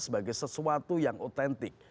sebagai sesuatu yang otentik